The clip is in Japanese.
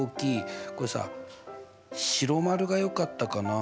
これさ白丸がよかったかな。